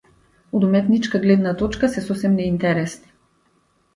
Од уметничка гледна точка се сосем неинтересни.